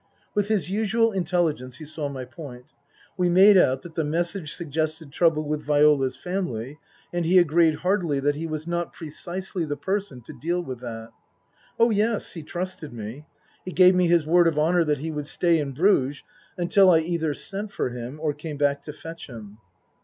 With his usual intelligence he saw my point. We made out that the message suggested trouble with Viola's family, and he agreed heartily that he was not precisely the person to deal with that. Oh, yes, he trusted me. He gave me his word of honour that he would stay in Bruges until I either sent for him or came back to fetch him.